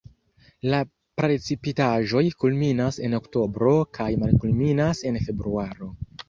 La precipitaĵoj kulminas en oktobro kaj malkulminas en februaro.